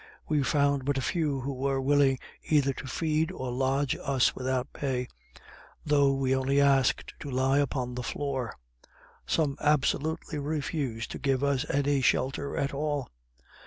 We found but few who were willing either to feed or lodge us without pay, though we only asked to lie upon the floor. Some absolutely refused to give us any shelter at all.